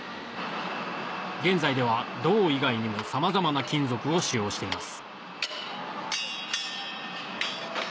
現在では銅以外にもさまざまな金属を使用しています